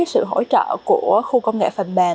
sự hỗ trợ của khu công nghệ phần mềm